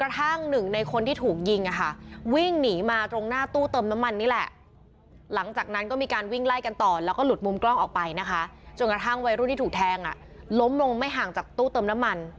ถึงกระทั่งวัยรุ่นที่ถูกแทงล้มลงไม่ห่างจากตู้เติมน้ำมัน